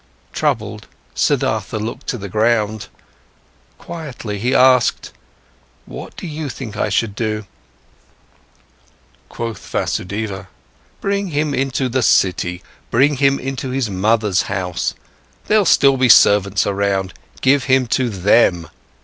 Troubled, Siddhartha looked to the ground. Quietly, he asked: "What do you think should I do?" Quoth Vasudeva: "Bring him into the city, bring him into his mother's house, there'll still be servants around, give him to them.